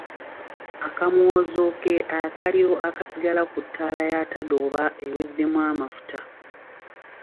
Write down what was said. Akamwozo ke akaliro akasigala ku ttaala ya tadooba eweddemu amafuta.